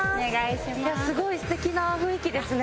すごい素敵な雰囲気ですね。